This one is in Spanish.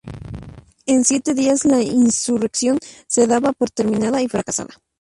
En siete días la insurrección se daba por terminada y fracasada.